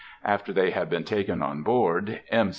After they had been taken on board, M.